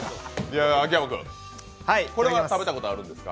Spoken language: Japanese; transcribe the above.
これは食べたことあるんですか？